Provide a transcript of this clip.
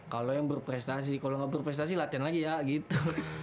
kalau yang berprestasi kalau nggak berprestasi latihan lagi ya gitu